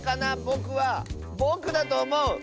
ぼくはぼくだとおもう！